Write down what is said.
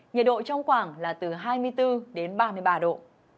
nhiệt độ trong khoảng là từ hai mươi bốn đến ba mươi ba độ